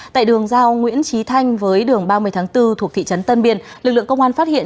tại đường giao nguyễn trí thanh với đường ba mươi tháng bốn thuộc thị trấn tân biên lực lượng công an phát hiện